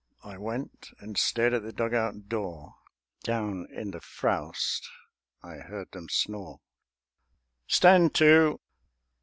I went and stared at the dug out door. Down in the frowst I heard them snore. "Stand to!"